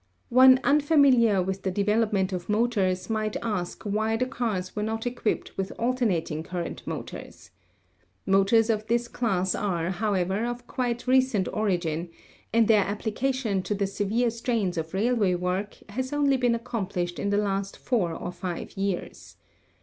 One unfamiliar with the development of motors might ask why the cars were not equipped with alternating cur rent motors. Motors of this class are, however, of quite recent origin, and their application to the severe strains of railway work has only been accomplished in the last four or five years.